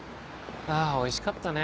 あおいしかったね。